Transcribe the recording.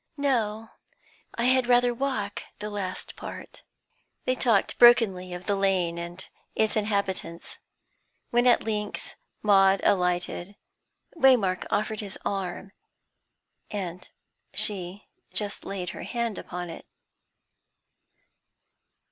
"No; I had rather walk the last part." They talked brokenly of the Lane and its inhabitants. When at length Maud alighted Waymark offered his arm, and she just laid her hand upon it.